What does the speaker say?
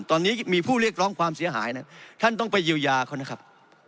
ตอนนี้มีผู้เรียกร้องความเสียหายนะท่านต้องไปเยียวยาเขานะครับ